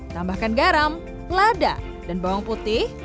tambahkan garam lada dan bawang putih